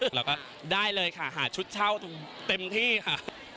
แล้วก็ได้เลยค่ะหาชุดเช่าเต็มที่ค่ะ